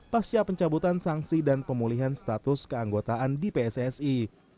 pasca pencabutan sanksi dan pemulihan status keanggotaan di pssi